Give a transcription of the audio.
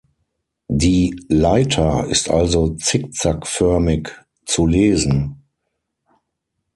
Die „Leiter“ ist also zickzackförmig zu lesen.